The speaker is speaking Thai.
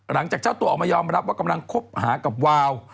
หลังจากเจ้าตัวออกมายอมรับว่ากำลังคบหากับวาว